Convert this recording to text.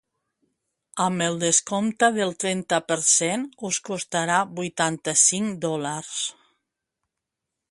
Amb el descompte del trenta per cent us costarà vuitanta-cinc dòlars.